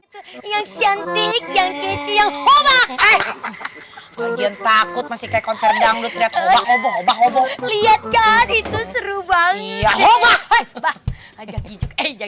hai yang cantik yang kecil obat takut masih kek konser dangdut lihat kan itu seru banget